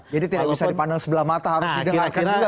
jadi tidak bisa dipandang sebelah mata harus didengarkan juga